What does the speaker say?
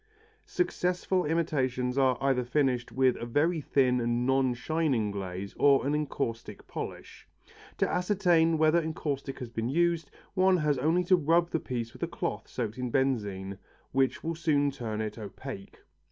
Successful imitations are either finished with a very thin and non shining glaze or an encaustic polish. To ascertain whether encaustic has been used, one has only to rub the piece with a cloth soaked in benzine, which will soon turn it opaque.